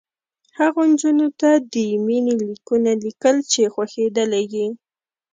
هغو نجونو ته د مینې لیکونه لیکل چې خوښېدلې یې